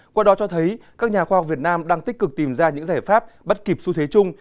qua đó cho thấy các nhà khoa học việt nam đang tích cực tìm ra những giải pháp bắt kịp xu thế chung